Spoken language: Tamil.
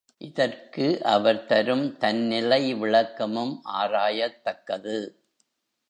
இதற்கு அவர் தரும் தன்னிலை விளக்கமும் ஆராயத்தக்கது.